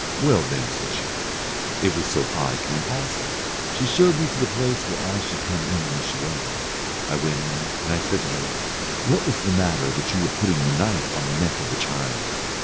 'Well, then,' said she, 'it was so I came also.' She showed me to the place where I should come in where she was. I went in, and I said to her, 'What was the matter that you were putting the knife on the neck of the child?'